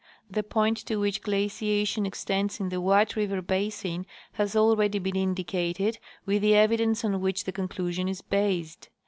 The point to which glaciation extends in the White river basin has already been indicated, with the evidence on which the conclusion is based.